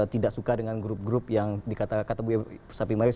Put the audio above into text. tidak suka dengan grup grup yang dikatakan kata bu sapi maris